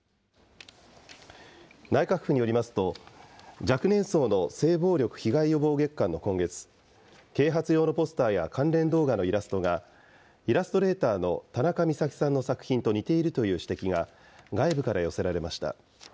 内閣府によりますと、若年層の性暴力被害予防月間の今月、啓発用のポスターや関連動画のイラストが、イラストレーターのたなかみさきさんの作品と似ているという指摘が外部から寄せられました。